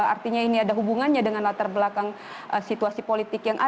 artinya ini ada hubungannya dengan latar belakang situasi politik yang ada